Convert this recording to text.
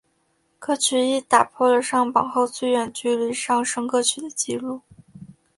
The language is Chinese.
歌曲亦打破了上榜后最远距离上升歌曲的记录。